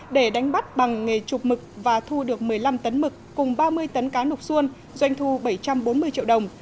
để đánh bắt bằng nghề chụp mực và thu được một mươi năm tấn mực cùng ba mươi tấn cá nục xuôn doanh thu bảy trăm bốn mươi triệu đồng